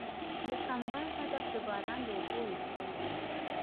د کمبر هدف د باران د اوبو ایستل دي